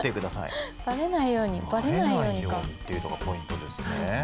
ばれないようにっていうのがポイントですね。